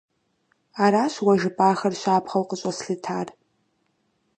Аращ уэ жыпӀахэр щапхъэу къыщӀэслъытар.